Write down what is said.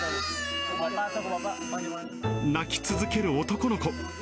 泣き続ける男の子。